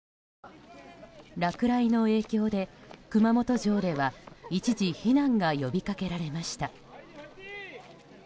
落雷の影響で熊本城では一時避難が呼びかけられました。